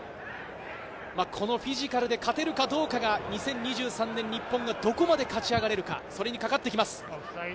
このフィジカルで勝てるかどうかが２０２３年、日本がどこまで勝ち上がれるか、それにかかってきます。